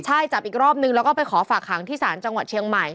ใช่จับอีกรอบนึงแล้วก็ไปขอฝากหางที่ศาลจังหวัดเชียงใหม่